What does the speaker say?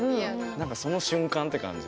何かその瞬間って感じ。